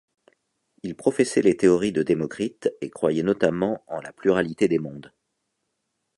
Il professait les théories de Démocrite, et croyait notamment en la pluralité des Mondes.